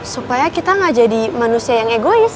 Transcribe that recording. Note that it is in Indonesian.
supaya kita gak jadi manusia yang egois